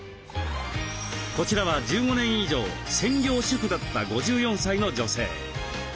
こちらは１５年以上専業主婦だった５４歳の女性。